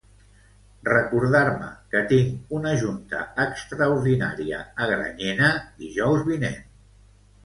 Recordar-me que tinc una junta extraordinària a Granyena dijous vinent.